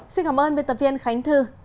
xin cảm ơn biên tập viên khánh thư